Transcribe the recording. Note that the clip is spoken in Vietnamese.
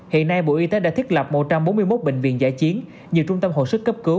hiện nay bộ y tế đã thiết lập một trăm bốn mươi một bệnh viện giải chiến nhiều trung tâm hội sức cấp cứu